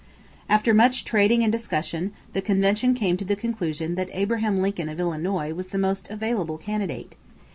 After much trading and discussing, the convention came to the conclusion that Abraham Lincoln of Illinois was the most "available" candidate.